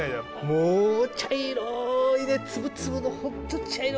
もう茶色いね粒々のホント茶色